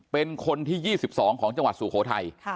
เป็นคนที่๒๒ของจังหวัดสุโขทัย